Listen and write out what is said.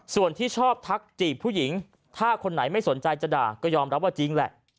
ส่วนที่ชอบทักจีบผู้หญิงถ้าคนไหนไม่สนใจจะด่าก็ยอมรับว่าจริงแหละ